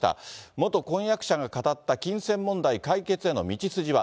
元婚約者が語った金銭問題解決への道筋は。